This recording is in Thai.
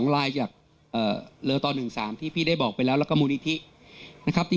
ลายจากเลอต่อ๑๓ที่พี่ได้บอกไปแล้วแล้วก็มูลนิธินะครับ